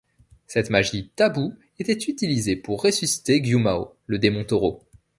Cette magie taboue était utilisée pour ressusciter Gyûmao, le démon taureau.